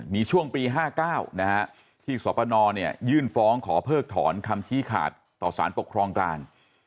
มีช่วงปี๕๙ที่สปนยื่นฟ้องขอเพิกถอนคำชี้ขาดต่อสารปกครองกลาง